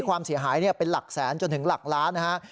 ความเสียหายเป็นหลักแสนจนถึงหลักล้านนะฮะ